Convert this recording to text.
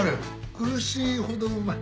苦しいほどうまい。